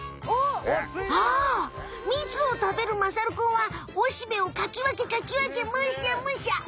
ああみつを食べるまさるくんはおしべをかきわけかきわけむしゃむしゃ。